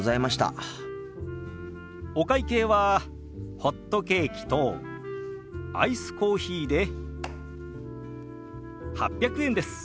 お会計はホットケーキとアイスコーヒーで８００円です。